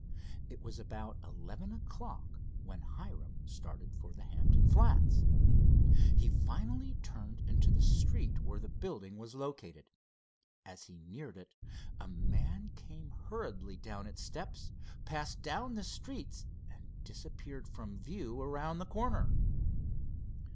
It was about eleven o'clock when Hiram started for the Hampton Flats. He finally turned into the street where the building was located. As he neared it, a man came hurriedly down its steps, passed down the street, and disappeared from view around the corner.